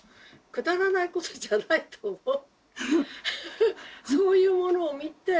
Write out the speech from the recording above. くだらないことじゃないと思う。